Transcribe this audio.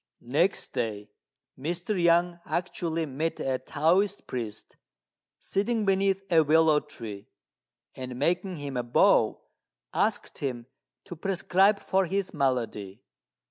Next day, Mr. Yang actually met a Taoist priest sitting beneath a willow tree; and, making him a bow, asked him to prescribe for his malady.